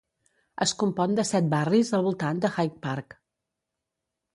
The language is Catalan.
Es compon de set barris al voltant de High Park.